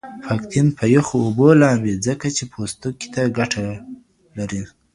پکتین په یخو اوبو لامبې ځکه چې پوستکې ته ګټه لری.